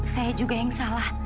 saya juga yang salah